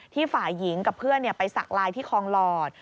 ฝ่ายหญิงกับเพื่อนไปสักลายที่คลองหลอด